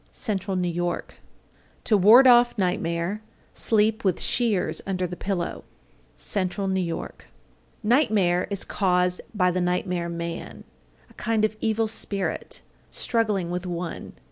Central New York. 826. To ward off nightmare, sleep with shears under the pillow. Central New York. 827. Nightmare is caused by the nightmare man, a kind of evil spirit, struggling with one.